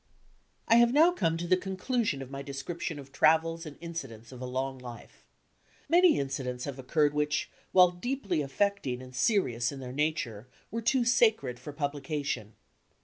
I have now come to the conclusion of my description of travels and incidents of a long life. Many incidents have occurred which, while deeply affecting and serious in their nature, were too sacred for publi cation.